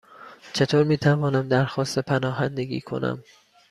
چطور می توانم درخواست پناهندگی کنم؟